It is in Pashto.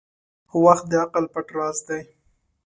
• وخت د عقل پټ راز دی.